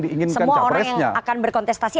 diinginkan capresnya semua orang yang akan berkontestasi